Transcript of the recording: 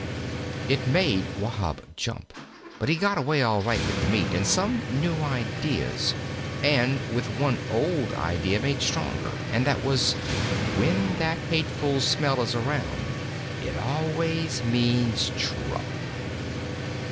It made Wahb jump; but he got away all right with the meat and some new ideas, and with one old idea made stronger, and that was, "When that hateful smell is around it always means trouble."